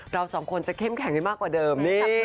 เราสองคนจะเข้มแข็งได้มากกว่าเดิมนี่